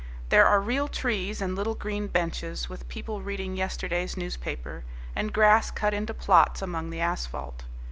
There are real trees and little green benches, with people reading yesterday's newspaper, and grass cut into plots among the asphalt.